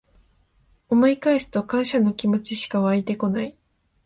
思い返すと感謝の気持ちしかわいてこない